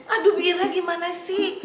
aduh bira gimana sih